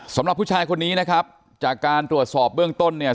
สำหรับผู้ชายคนนี้นะครับจากการตรวจสอบเบื้องต้นเนี่ย